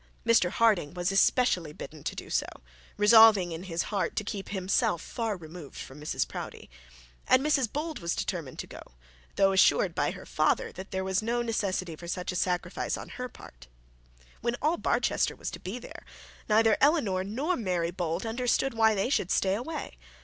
Mr Harding was especially bidden to go, resolving in his heart to keep himself removed from Mrs Proudie. And Mrs Bold was determined to go, though assured by her father that there was no necessity for such a sacrifice on her part. When all Barchester was to be there, neither Eleanor nor Mary Bold understood why they should stay away.